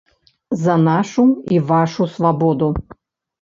За нашу і вашу свабоду!